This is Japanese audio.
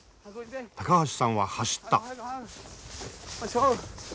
高橋さんは走った。